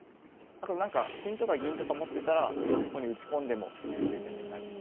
あとなんか金とか銀とか持ってたらここに打ち込んでも厳しい攻めになります。